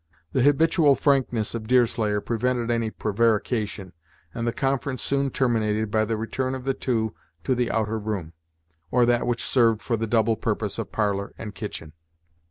The habitual frankness of Deerslayer prevented any prevarication, and the conference soon terminated by the return of the two to the outer room, or that which served for the double purpose of parlour and kitchen.